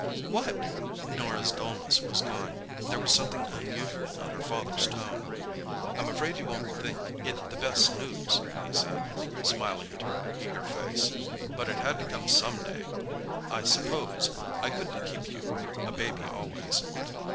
"What?" Norah's dullness was gone. There was something unusual in her father's tone. "I'm afraid you won't think it the best news," he said, smiling at her eager face. "But it had to come some day, I suppose. I couldn't keep you a baby always.